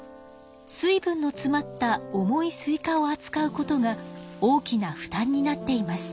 水分のつまった重いスイカをあつかうことが大きな負たんになっています。